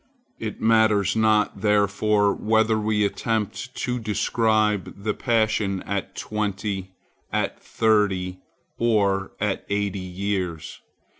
It matters not therefore whether we attempt to describe the passion at twenty, at thirty, or at eighty years.